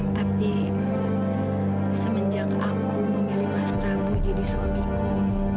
tapi semenjak aku memilih mas prabu jadi suamiku